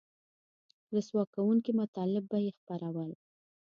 رسوا کوونکي مطالب به یې خپرول